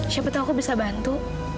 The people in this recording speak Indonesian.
siapa tahu aku bisa bantu